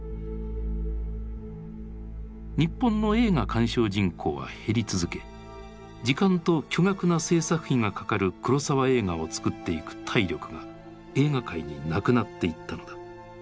日本の映画鑑賞人口は減り続け時間と巨額な製作費がかかる黒澤映画を作っていく体力が映画界になくなっていったのだ。